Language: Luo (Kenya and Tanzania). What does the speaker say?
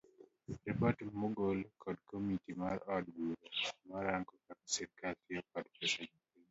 Ripot mogol kod kamiti mar od bura marango kaka sirikal tiyo kod pes jopiny